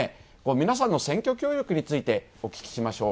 皆さんの選挙協力についてお聞きしましょう。